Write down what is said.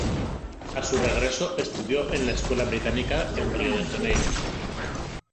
A su regreso, estudió en la Escuela Británica en Río de Janeiro.